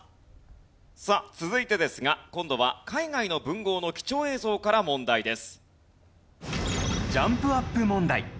さあ続いてですが今度は海外の文豪の貴重映像から問題です。